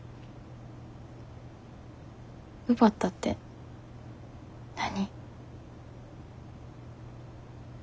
奪ったって何？